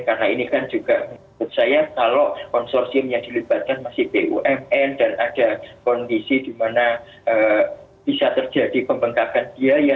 karena ini kan juga menurut saya kalau konsorsium yang dilibatkan masih bumn dan ada kondisi dimana bisa terjadi pembengkakan biaya